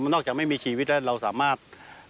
นอกจากไม่มีชีวิตแล้วเราสามารถ